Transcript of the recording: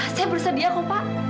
saya bersedia kok pak